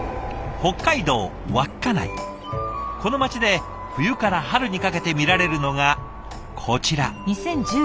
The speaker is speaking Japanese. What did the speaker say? この町で冬から春にかけて見られるのがこちら。